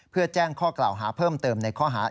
เพื่อแจ้งข้อกล่าวหาเพิ่มเติมในข้อหา